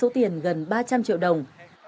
tiền gần ba trăm linh triệu đồng